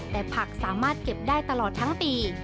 แต่ผักสามารถเก็บได้ตลอดทั้งปี